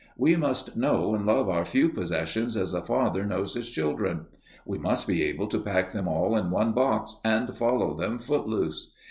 We must know and love our few possessions as a father knows his children. We must be able to pack them all in one box and follow them foot loose.